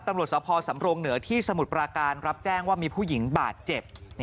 ตำรวจสภสำรงเหนือที่สมุทรปราการรับแจ้งว่ามีผู้หญิงบาดเจ็บ